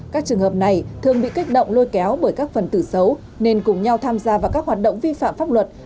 các trường hợp này thường bị kích động lôi kéo bởi các phần tử xấu nên cùng nhau tham gia vào các hoạt động vi phạm pháp luật